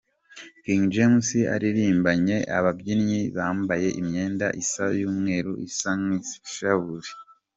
King James aririmbanye ababyinnyi bambaye imyenda isa y’umweru isa nk’inshabure….